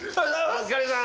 お疲れさん